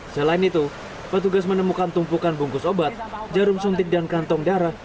selain itu petugas menemukan tumpukan bungkus obat jarum suntik dan kantong darah